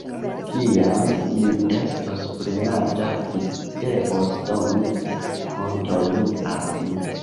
Kiam mi estos plenaĝa vi devos doni kontojn al mi.